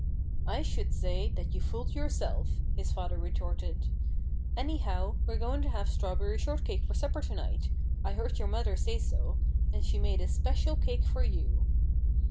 "I should say that you fooled yourself," his father retorted. "Anyhow, we're going to have strawberry shortcake for supper to night. I heard your mother say so. And she made a special cake for you."